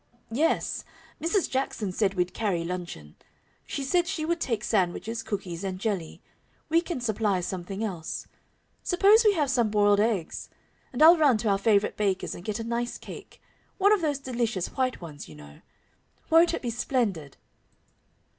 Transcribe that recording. "Yes. Mrs. Jackson said we'd carry luncheon. She said she would take sandwiches, cookies, and jelly. We can supply something else. Suppose we have some boiled eggs. And I'll run to our favorite baker's and get a nice cake one of those delicious white ones, you know. Won't it be splendid?"